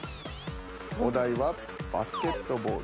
お題はバスケットボール。